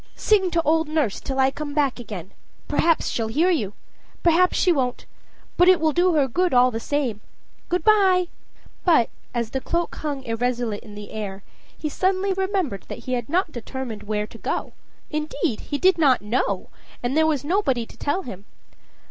Sing to old nurse till I come back again. Perhaps she'll hear you perhaps she won't but it will do her good all the same. Good by!" But, as the cloak hung irresolute in air, he suddenly remembered that he had not determined where to go indeed, he did not know, and there was nobody to tell him.